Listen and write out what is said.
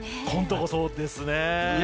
今度こそですね。